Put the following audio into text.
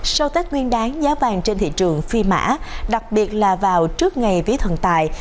sau tết nguyên đáng giá vàng trên thị trường phi mã đặc biệt là vào trước ngày vía thần tài